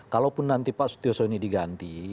kalaupun nanti pak sutioso ini diganti